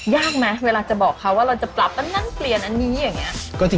ยากไหมเวลาจะบอกเขาว่าเราจะปรับอันนั้นเปลี่ยนอันนี้อย่างนี้